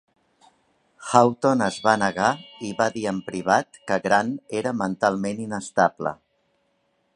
Houghton es va negar i va dir en privat que Grant era mentalment inestable.